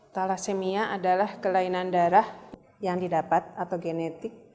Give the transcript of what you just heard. thalassemia adalah kelainan darah yang didapat atau genetik